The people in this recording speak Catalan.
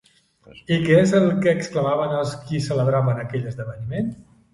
I què és el que exclamaven els qui celebraven aquell esdeveniment?